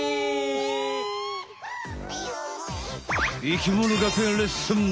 生きもの学園レッスン！